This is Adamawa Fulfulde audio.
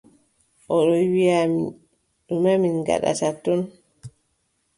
O ɗo wiʼa mi, ɗume mi ngaɗata ton.